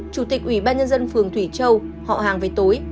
chủ tịch ủy ban nhân dân phường thủy châu họ hàng về tối